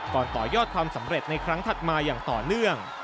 ต่อยอดความสำเร็จในครั้งถัดมาอย่างต่อเนื่อง